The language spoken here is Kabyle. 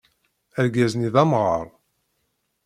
Argaz-nni d amɣaṛ.